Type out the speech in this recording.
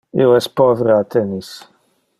Io es povre a tennis.